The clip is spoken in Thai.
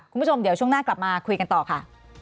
คุณผู้ชมเดี๋ยวช่วงหน้ากลับมาคุยกันต่อค่ะ